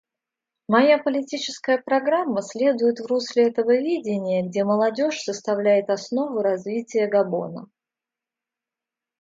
Моя политическая программа следует в русле этого видения, где молодежь составляет основу развития Габона.